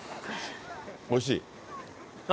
おいしい？